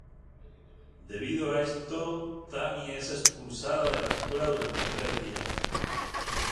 Debido a esto, Tammy es expulsada de la escuela durante tres días.